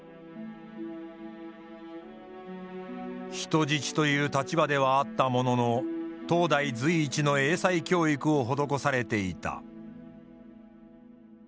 人質という立場ではあったものの当代随一の英才教育を施されていた。